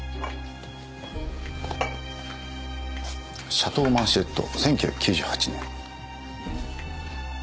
シャトーマンシェット１９９８年。